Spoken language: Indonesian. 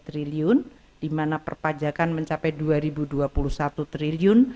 tiga triliun di mana perpajakan mencapai rp dua dua puluh satu triliun